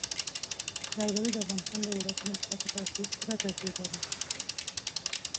زردالو د افغانستان د ولایاتو په کچه پوره توپیر لري.